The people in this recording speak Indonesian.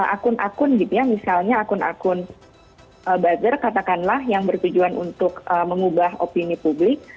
akun akun gitu ya misalnya akun akun buzzer katakanlah yang bertujuan untuk mengubah opini publik